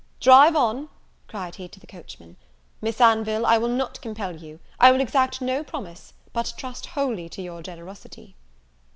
"Drive on!" cried he to the coachman; "Miss Anville, I will not compel you; I will exact no promise, but trust wholly to your generosity."